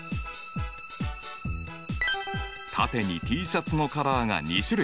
縦にＴシャツのカラーが２種類。